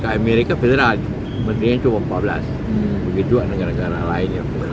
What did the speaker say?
ke amerika federal aja menterinya cuma empat belas begitu dengan negara negara lainnya